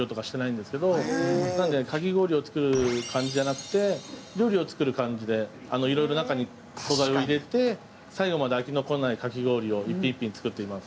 かき氷を作る感じじゃなくて、料理を作る感じで、いろいろ中に惣菜を入れて、最後まで飽きの来ないかき氷を一品一品作っています。